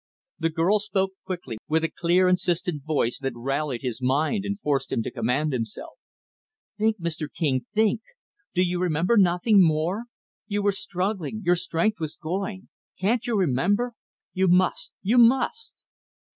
The girl spoke quickly, with a clear, insistent voice that rallied his mind and forced him to command himself. "Think, Mr. King, think! Do you remember nothing more? You were struggling your strength was going can't you remember? You must, you must!"